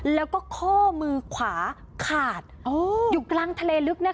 แล้วก็ข้อมือขวาขาดอยู่กลางทะเลลึกนะคะ